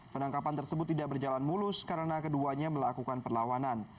penangkapan tersebut tidak berjalan mulus karena keduanya melakukan perlawanan